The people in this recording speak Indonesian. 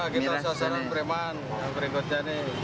kita sasaran preman yang berikutnya ini